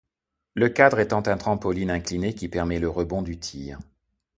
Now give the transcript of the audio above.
Le cadre étant un trampoline incliné qui permet le rebond du tir.